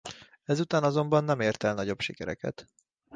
Ezután azonban nem ért el a nagyobb sikereket.